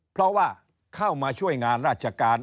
เพราะว่าเข้ามาช่วยงานราชการ